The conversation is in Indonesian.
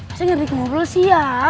masih ngeri ngobrol sih ya